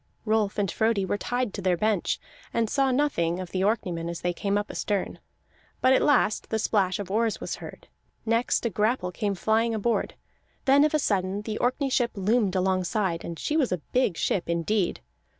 Rolf and Frodi were tied to their bench, and saw nothing of the Orkneymen as they came up astern. But at last the splash of oars was heard; next a grapple came flying aboard; then of a sudden the Orkney ship loomed alongside, and she was a big ship indeed.